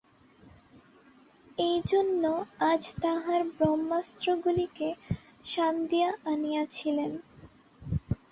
এইজন্য আজ তাঁহার ব্রহ্মাস্ত্রগুলিকে শান দিয়া আনিয়াছিলেন।